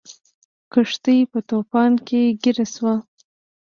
کښتۍ په طوفان کې ګیره شوه.